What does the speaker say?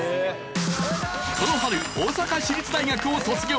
この春大阪市立大学を卒業。